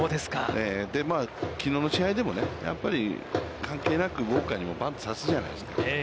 きのうの試合でもね、やっぱり関係なくウォーカーにもバントをさせるじゃないですか。